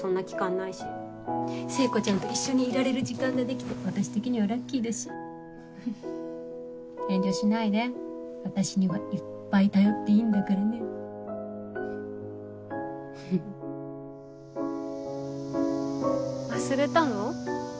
ないし聖子ちゃんと一緒にいられる時間が出来て私的にはラッキーだし遠慮しないで私にはいっぱい頼っていいんだからね忘れたの？